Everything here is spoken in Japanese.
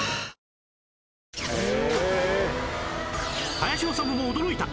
林修も驚いた！